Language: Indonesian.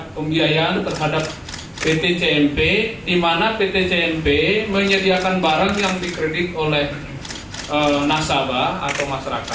pembiayaan terhadap pt cnp di mana pt cnp menyediakan barang yang dikredit oleh nasabah atau masyarakat